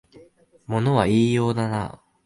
物は言いようだなあ